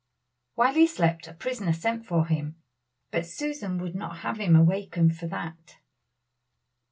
While he slept a prisoner sent for him, but Susan would not have him awakened for that.